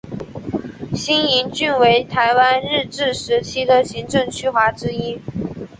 新营郡为台湾日治时期的行政区划之一。